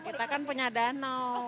kita kan punya danau